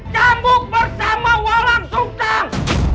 cambuk bersama walang sungkang